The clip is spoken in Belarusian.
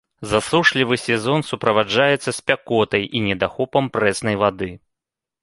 Засушлівы сезон суправаджаецца спякотай і недахопам прэснай вады.